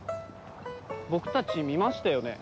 僕たち見ましたよね。